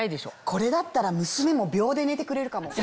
これだったら娘も秒で寝てくれるかも。